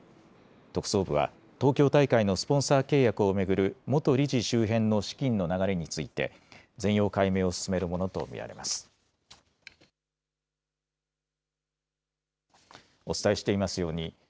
特捜部は、東京大会のスポンサー契約を巡る元理事周辺の資金の流れについて、全容解明を進めるものと見られます。